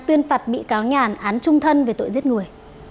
tuyên phạt bị cáo nhàn án trung thân về tội giết người